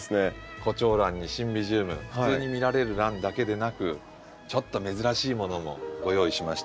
コチョウランにシンビジウム普通に見られるランだけでなくちょっと珍しいものもご用意しましてこの左手の下。